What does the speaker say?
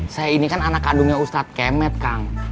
saya ini kan anak kandungnya ustadz kemet kang